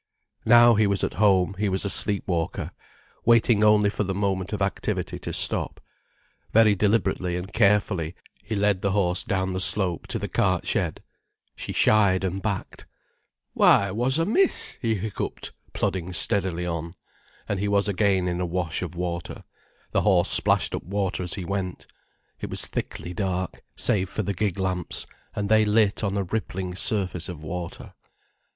Now he was at home, he was a sleep walker, waiting only for the moment of activity to stop. Very deliberately and carefully, he led the horse down the slope to the cart shed. She shied and backed. "Why, wha's amiss?" he hiccupped, plodding steadily on. And he was again in a wash of water, the horse splashed up water as he went. It was thickly dark, save for the gig lamps, and they lit on a rippling surface of water.